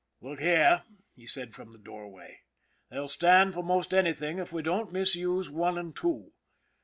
" Look here," he said from the doorway, " they'll stand for 'most anything if we don't misuse One and Two.